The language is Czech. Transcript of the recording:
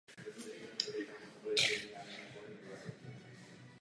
Situaci vnímáme úplně stejně.